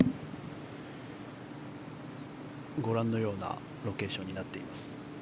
ご覧のようなロケーションになっています。